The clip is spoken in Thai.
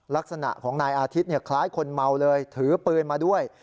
ลักษณะของนายอาทิตย์คล้ายคนเมาเลยถือปืนมาด้วย